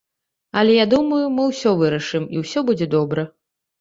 Але я думаю, мы ўсё вырашым, і ўсё будзе добра.